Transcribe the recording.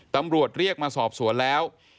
ตำรวจเรียกมาสอบสวนแล้ว